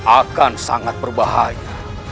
akan sangat berbahaya